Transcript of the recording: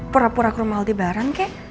pura pura ke rumah aldi baran